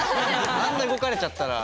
あんな動かれちゃったら。